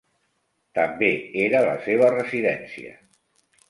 També era la seva residència.